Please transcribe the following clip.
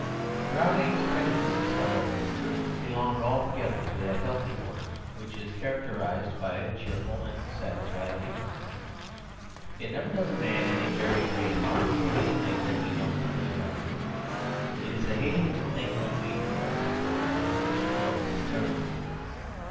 Browning's prejudices, however, belonged altogether to that healthy order which is characterised by a cheerful and satisfied ignorance. It never does a man any very great harm to hate a thing that he knows nothing about. It is the hating of a thing when we do know something about it which corrodes the character.